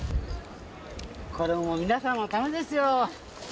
これも皆さんのためですよ。